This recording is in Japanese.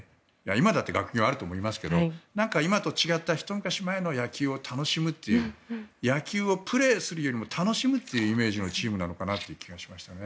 今だって学業あると思いますけど今と違った、ひと昔前の野球を楽しむという野球をプレーするよりも楽しむというイメージのチームなのかなという気がしました。